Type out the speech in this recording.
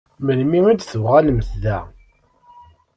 Melmi i d-tuɣalemt da?